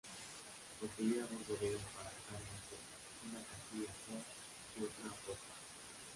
Poseía dos bodegas para carga seca, una casilla a proa y otra a popa.